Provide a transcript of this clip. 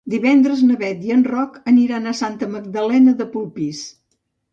Divendres na Beth i en Roc aniran a Santa Magdalena de Polpís.